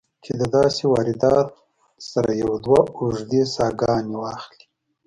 چې د داسې واردات سره يو دوه اوږدې ساهګانې واخلې